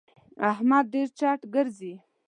احمد ډېر چټ ګرځي.